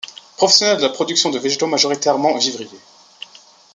Professionnel de la production de végétaux majoritairement vivriers.